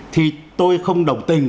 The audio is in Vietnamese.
thì tôi không đồng tình